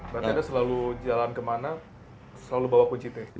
berarti anda selalu jalan ke mana selalu bawa kunci teh